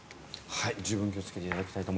十分気をつけていただきたいと